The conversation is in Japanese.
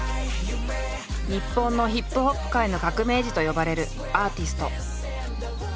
日本のＨＩＰＨＯＰ界の革命児と呼ばれるアーティスト。